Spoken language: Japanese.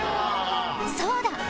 そうだ！